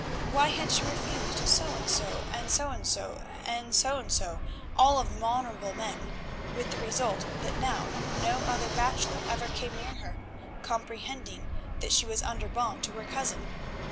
Why had she refused So and so, and So and so and So and so—all of them honourable men—with the result that now no other bachelor ever came near her, comprehending that she was under bond to her cousin?